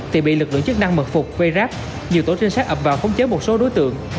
thì bị lực lượng chức năng mật phục vây rác nhiều tổ trinh sát ập vào khống chế một số đối tượng